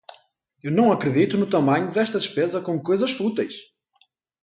Eu não acredito no tamanho desta despesa com coisas fúteis!